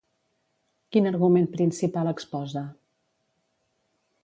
Quin argument principal exposa?